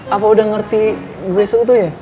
apa udah ngerti gue seutuhnya